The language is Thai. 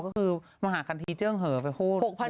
มหาคันธรรมที่เจื้องเหอะ